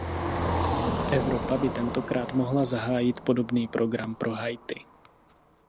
Evropa by tentokrát mohla zahájit podobný program pro Haiti.